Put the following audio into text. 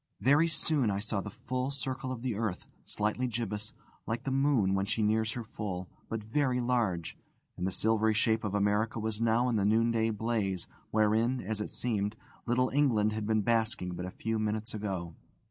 Very soon I saw the full circle of the earth, slightly gibbous, like the moon when she nears her full, but very large; and the silvery shape of America was now in the noonday blaze wherein (as it seemed) little England had been basking but a few minutes ago.